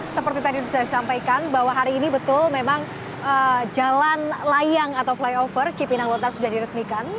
seperti tadi sudah disampaikan bahwa hari ini betul memang jalan layang atau flyover cipinang lontar sudah diresmikan